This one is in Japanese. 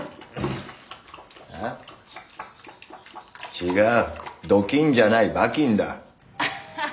違う「ドキン」じゃない「バキン」だッ。